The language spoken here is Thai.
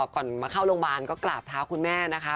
ก่อนมาเข้าโรงพยาบาลก็กราบเท้าคุณแม่นะคะ